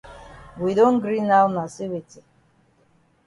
We don gree now na say weti?